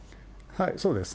そうですね。